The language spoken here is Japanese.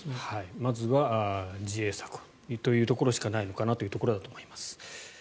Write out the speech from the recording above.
まずは自衛策というところしかないのかなということだと思います。